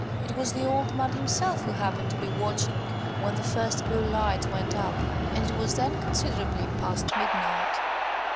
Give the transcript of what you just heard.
It was the old man himself who happened to be watching when the first blue lights went up, and it was then considerably past midnight.